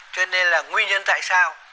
cho nên là nguyên nhân tại sao